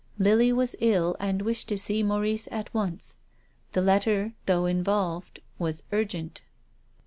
Lily was ill and wished to see Maurice at once. The letter, though involved, was urgent.